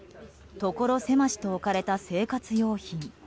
ところ狭しと置かれた生活用品。